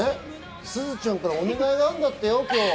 すずちゃんからお願いがあるんだってよ。